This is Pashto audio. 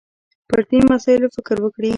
پر دې مسایلو فکر وکړي